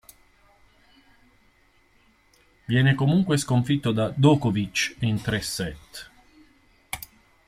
Viene comunque sconfitto da Đoković in tre set.